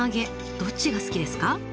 どっちが好きですか？